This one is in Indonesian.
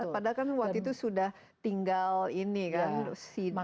padahal kan waktu itu sudah tinggal ini kan sidak